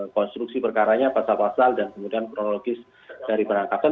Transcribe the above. konstruksi perkaranya pasal pasal dan kemudian kronologis dari penangkapan